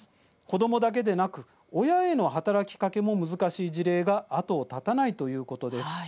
子どもだけでなく親への働きかけも難しい事例が後を絶たないということです。